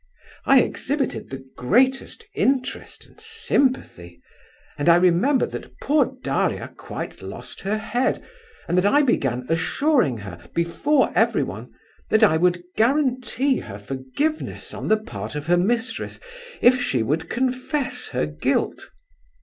I exhibited the greatest interest and sympathy, and I remember that poor Daria quite lost her head, and that I began assuring her, before everyone, that I would guarantee her forgiveness on the part of her mistress, if she would confess her guilt.